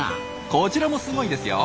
こちらもすごいですよ。